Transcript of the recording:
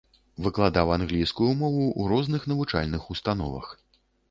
Выкладаў англійскую мову ў розных навучальных установах.